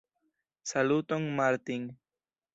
Saluton Martin!